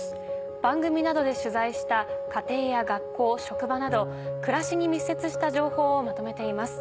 番組などで取材した家庭や学校職場など暮らしに密接した情報をまとめています。